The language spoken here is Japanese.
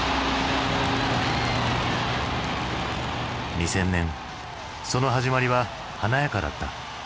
２０００年その始まりは華やかだった。